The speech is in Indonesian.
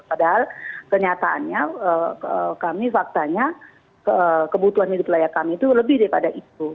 padahal kenyataannya kami faktanya kebutuhan hidup layak kami itu lebih daripada itu